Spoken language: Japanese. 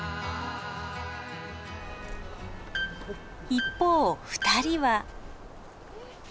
一方二人は。